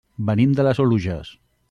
Venim de les Oluges.